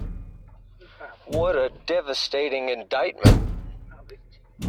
What a devastating indictment.